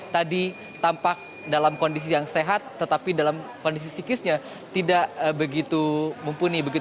tadi tampak dalam kondisi yang sehat tetapi dalam kondisi psikisnya tidak begitu mumpuni